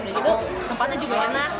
sebenarnya tempatnya juga enak